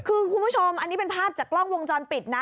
คือคุณผู้ชมอันนี้เป็นภาพจากกล้องวงจรปิดนะ